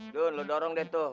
duh lu dorong deh tuh